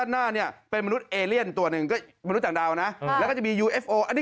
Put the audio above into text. เหรียญเอเลียนฮะหลายคนบอก